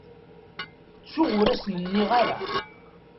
Ttuɣ ur asen-nniɣ ara.